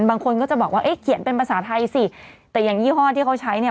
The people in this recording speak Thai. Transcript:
บางคนก็จะบอกว่าเอ๊ะเขียนเป็นภาษาไทยสิแต่อย่างยี่ห้อที่เขาใช้เนี่ย